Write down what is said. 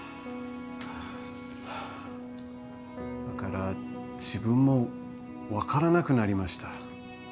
だから自分も分からなくなりました。